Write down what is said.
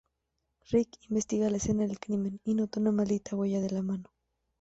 Rick investiga la escena del crimen y nota una maldita huella de la mano.